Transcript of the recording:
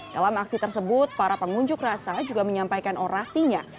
dalam aksi tersebut para pengunjuk rasa juga menyampaikan orasinya